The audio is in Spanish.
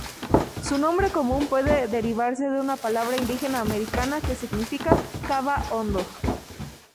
Su nombre común puede derivarse de una palabra indígena americana que significa "cava hondo".